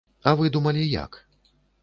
А вы думалі як?